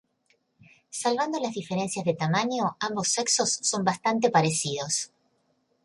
Salvando las diferencias de tamaño, ambos sexos son bastante parecidos.